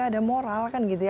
ada moral kan gitu ya